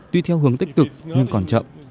tuy theo hướng tích cực nhưng còn chậm